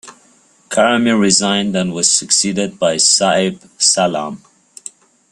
Karami resigned and was succeeded by Saeb Salam.